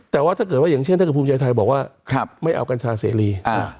แต่ว่าถ้าเกิดว่าอย่างเช่นถ้าเกิดภูมิใจไทยบอกว่าไม่เอากัญชาเสรี